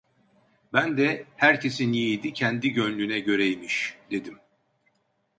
Ben de: "Herkesin yiğidi kendi gönlüne göreymiş!" dedim.